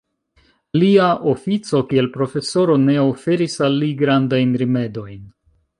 Lia ofico kiel profesoro ne oferis al li grandajn rimedojn.